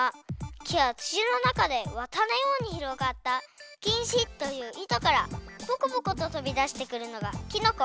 きやつちのなかでわたのようにひろがったきんしといういとからぽこぽこととびだしてくるのがきのこ。